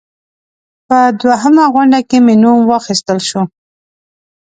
په دوهمه غونډه کې مې نوم واخیستل شو.